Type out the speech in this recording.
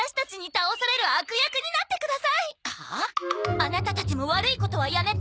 アナタたちも悪いことはやめて。